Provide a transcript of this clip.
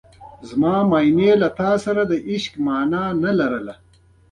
زما مینې له تا سره لا د عشق مانا نه لرله.